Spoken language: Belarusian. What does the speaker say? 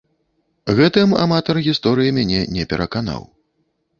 Гэтым аматар гісторыі мяне не пераканаў.